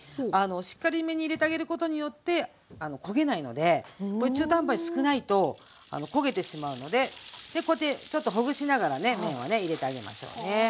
しっかりめに入れてあげることによって焦げないのでこれ中途半端に少ないと焦げてしまうのででこうやってちょっとほぐしながらね麺をね入れてあげましょうね。